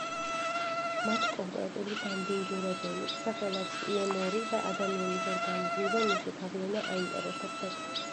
მათ კონკრეტული დამბინძურებელი, სახელად პიემ-ორი და ადამიანის ორგანიზმზე მისი გავლენა აინტერესებდათ.